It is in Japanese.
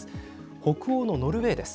北欧のノルウェーです。